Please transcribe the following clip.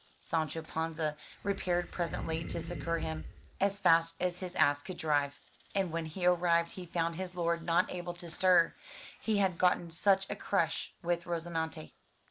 Sancho Panza repaired presently to succour him as fast as his ass could drive. And when he arrived, he found his lord not able to stir, he had gotten such a crush with Rozinante.